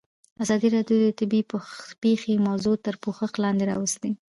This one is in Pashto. ازادي راډیو د طبیعي پېښې موضوع تر پوښښ لاندې راوستې.